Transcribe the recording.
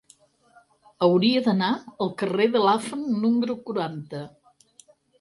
Hauria d'anar al carrer de Lafont número quaranta.